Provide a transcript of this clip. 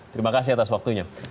terima kasih atas waktunya